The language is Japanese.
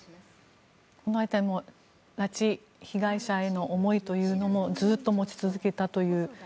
拉致被害者への思いというのもずっと持ち続けたという。